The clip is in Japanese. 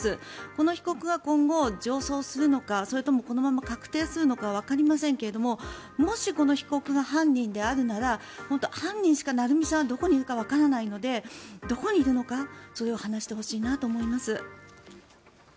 この被告は今後、上訴するのかそれとも、このまま確定するのかわかりませんけれどもしこの被告が犯人であるなら犯人しか愛海さんはどこにいるかわからないのでどこにいるのかそれを話してほしいなと思います。